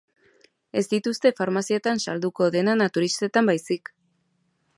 Ez dituzte farmazietan salduko, denda naturistetan baizik.